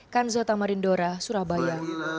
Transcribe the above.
kan zota marindora surabaya